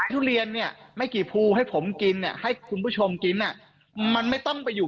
ทุเรียนเนี่ยไม่กี่ภูให้ผมกินเนี่ยให้คุณผู้ชมกินอ่ะมันไม่ต้องไปอยู่